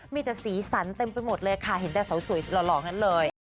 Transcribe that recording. มีแต่สีสันเต็มไปหมดเลยค่ะเห็นแต่สาวสวยหล่องั้นเลย